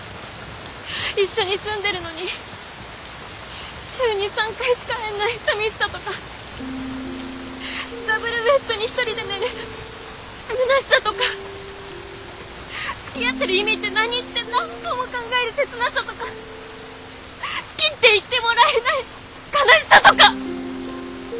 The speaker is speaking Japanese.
一緒に住んでるのに週２３回しか会えない寂しさとかダブルベッドに一人で寝るむなしさとかつきあってる意味って何？って何度も考える切なさとか「好き」って言ってもらえない悲しさとか！